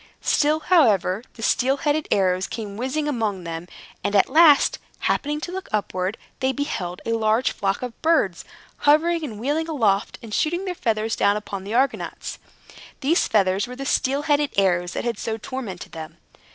Still, however, the steel headed arrows came whizzing among them; and, at last, happening to look upward, they beheld a large flock of birds, hovering and wheeling aloft, and shooting their feathers down upon the Argonauts. These feathers were the steel headed arrows that had so tormented them.